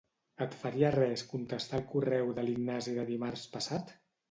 Et faria res contestar el correu de l'Ignasi de dimarts passat?